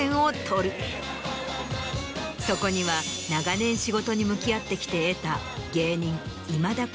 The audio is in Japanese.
そこには長年仕事に向き合ってきて得た芸人。